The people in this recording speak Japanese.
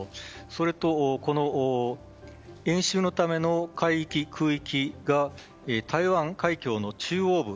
それと演習のための海域・空域が台湾海峡の中央部。